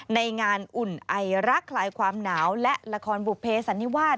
ในงานอุ่นไอรักคลายความหนาวและละครบุเภสันนิวาส